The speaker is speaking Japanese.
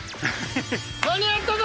間に合ったぞ！